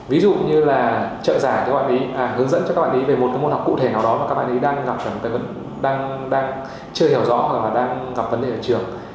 ví dụ như là trợ giải cho các bạn ý hướng dẫn cho các bạn ý về một cái môn học cụ thể nào đó mà các bạn ý đang gặp đang chưa hiểu rõ hoặc là đang gặp vấn đề ở trường